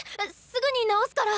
すぐに直すから！